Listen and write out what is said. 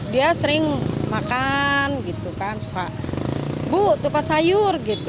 dia sering makan suka bu ketupat sayur